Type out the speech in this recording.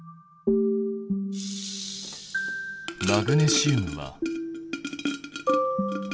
マグネシウムは。